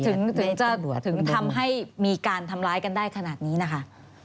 ถึงจะถึงทำให้มีการทำร้ายกันได้ขนาดนี้นะคะ